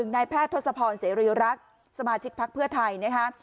๑นายแพทย์ทศพรเสรียรักษ์สมาชิกพรรคเพื่อไทย